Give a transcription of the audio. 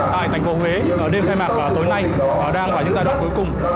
tại thành phố huế đêm khai mạc tối nay đang là những giai đoạn cuối cùng